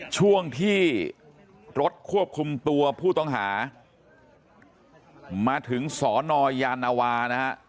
ช่วงที่รถควบคุมตัวผู้ต้องหามาถึงสนยานวานะฮะ